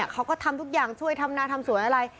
เขาก็ทำทุกอย่างช่วยทำนาทำสวยอะไร